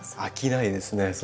飽きないですね